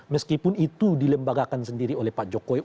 meskipun itu dilembagakan sendiri oleh pak jokowi